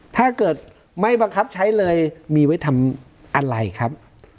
ถ้าเกิดไม่บังคับใช้เลยมีไว้ทำอะไรครับ